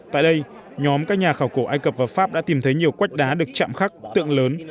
tại đây nhóm các nhà khảo cổ ai cập và pháp đã tìm thấy nhiều quách đá được chạm khắc tượng lớn